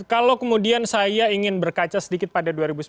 kalau kemudian saya ingin berkaca sedikit pada dua ribu sembilan belas